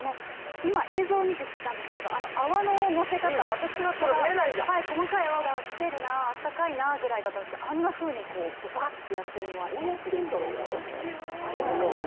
今、映像を見て知ったんですけど、あの泡の乗せ方、私はただ細かい泡が来てるな、あったかいなぐらいだったんですけど、あんなふうにどばってやってるのは今、知りました。